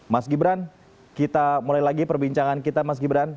mas gibran kita mulai lagi perbincangan kita mas gibran